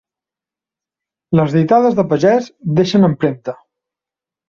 Les ditades de Pagès deixen empremta.